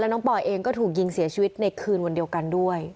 น้องปอยเองก็ถูกยิงเสียชีวิตในคืนวันเดียวกันด้วย